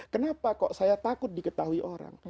kenapa kok saya takut diketahui orang